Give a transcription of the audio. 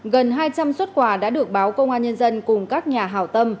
gần hai trăm linh xuất quà đã được báo công an nhân dân cùng các nhà hào tâm